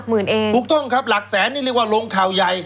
คุกต้นครับ๑๐๐๐๐๐๐๐๐นี่เรียกว่าโรงข่าวยัย